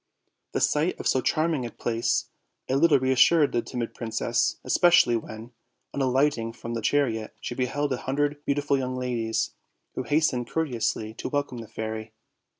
The sight of so charming a place a little reassured the timid princess, especially when, on alighting from the chariot, she beheld a hundred beautiful young ladies, who hastened courteously to welcome the fairy.